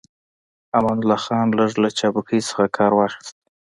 امان الله خان لږ له چابکۍ څخه کار واخيست.